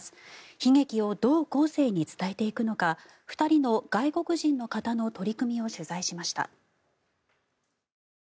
悲劇をどう後世に伝えていくのか２人の外国人の方の取り組みを取材しました。